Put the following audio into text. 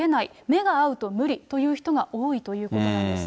目が合うと無理という人が多いということなんです。